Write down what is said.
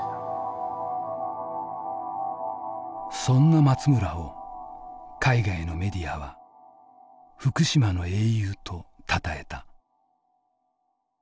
そんな松村を海外のメディアは「福島の英雄」とたたえた。